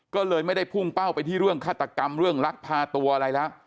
ก็เลยไม่ได้พุ่งเป้าไปที่เรื่องฆาตกรรมเรื่องลักพาตัวอะไรแล้ว